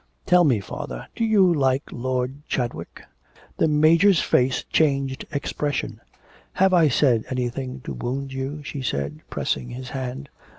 'Tell me, father, do you like Lord Chadwick?' The Major's face changed expression. 'Have I said anything to wound you?' she said, pressing his hand.